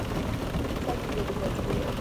سب ائي ري غلطي هي.